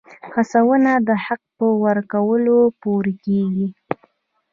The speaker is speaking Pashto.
هڅونه د حق په ورکولو پوره کېږي.